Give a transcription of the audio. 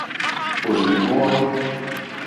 Òrzì lìhwówá.